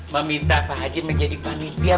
meminta pak haji menjadi panitia